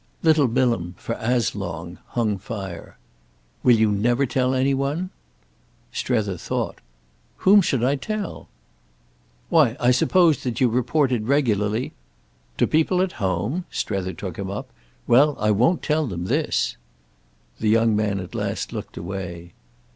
Little Bilham, for as long, hung fire. "Will you never tell any one?" Strether thought. "Whom should I tell?" "Why I supposed you reported regularly—" "To people at home?"—Strether took him up. "Well, I won't tell them this." The young man at last looked away.